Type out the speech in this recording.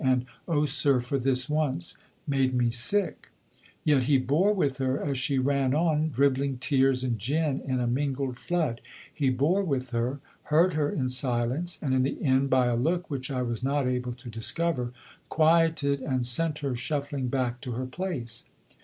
and "Oh, sir, for this once ...!" made me sick: yet he bore with her as she ran on, dribbling tears and gin in a mingled flood; he bore with her, heard her in silence, and in the end, by a look which I was not able to discover, quieted and sent her shuffling back to her place.